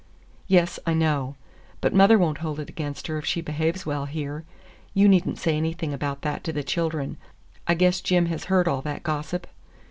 "Yes, I know. But mother won't hold it against her if she behaves well here. You need n't say anything about that to the children. I guess Jim has heard all that gossip?"